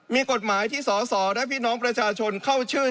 มีกฎหมายที่สอสอและพี่น้องประชาชนเข้าชื่อ